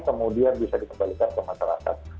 kemudian bisa dikembalikan ke masyarakat